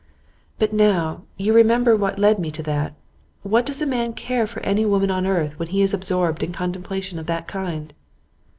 'But now, you remember what led me to that. What does a man care for any woman on earth when he is absorbed in contemplation of that kind?